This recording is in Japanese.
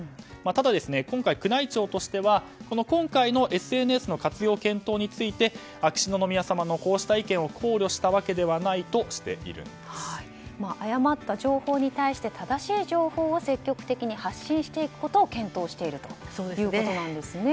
ただ、今回、宮内庁としては今回のＳＮＳの活用検討について秋篠宮さまのこうした意見を考慮したわけではないと誤った情報に対して正しい情報を積極的に発信していくことを検討していくということですね。